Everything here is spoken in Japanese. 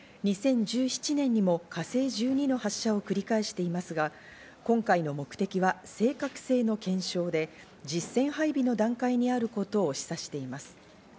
２０１７年にも火星１２の発射を繰り返していますが、今回の目的は正確性の検証で実戦配備の段階にあることを示唆しています。